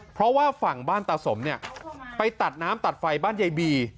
เพราะว่าฝั่งบ้านตาสมเนี่ยไปตัดน้ำตัดไฟบ้านยายบี